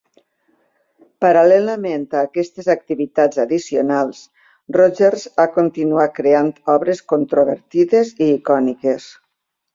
Paral·lelament a aquestes activitats addicionals, Rogers ha continuat creant obres controvertides i icòniques.